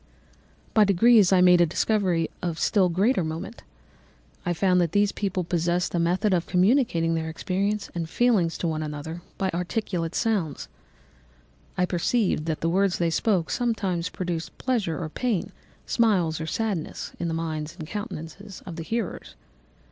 "By degrees I made a discovery of still greater moment. I found that these people possessed a method of communicating their experience and feelings to one another by articulate sounds. I perceived that the words they spoke sometimes produced pleasure or pain, smiles or sadness, in the minds and countenances of the hearers.